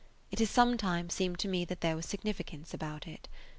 It has sometimes seemed to me that there was a significance about it.